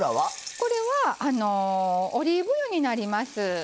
これはオリーブ油になります。